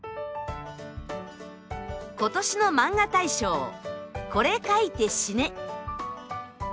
今年のマンガ大賞「これ描いて死ね」。